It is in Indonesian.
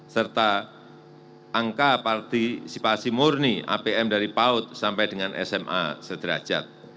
serta angka partisipasi murni apm dari paut sampai dengan sma sederajat